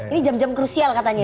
ini jam jam krusial katanya ya